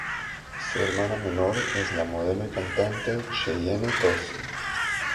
Su hermana menor es la modelo y cantante Cheyenne Tozzi.